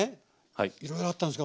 いろいろあったんですけど